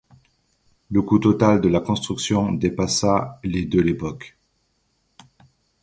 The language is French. Le coût total de la construction dépassa les de l'époque.